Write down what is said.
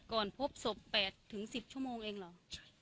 พบศพ๘๑๐ชั่วโมงเองเหรอ